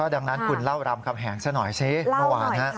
ดังนั้นคุณเล่ารามคำแหงซะหน่อยสิเมื่อวาน